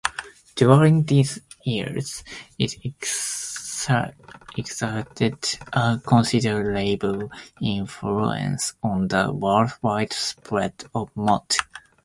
During these years, it exerted a considerable influence on the worldwide spread of mod.